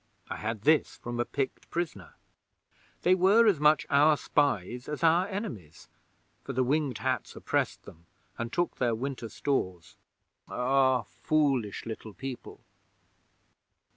I had this from a Pict prisoner. They were as much our spies as our enemies, for the Winged Hats oppressed them, and took their winter stores. Ah, foolish Little People!